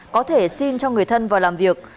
có thể xin cho người thân vào làm việc